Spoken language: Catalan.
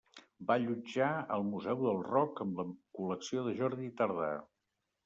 Va allotjar el Museu del Rock amb la col·lecció de Jordi Tardà.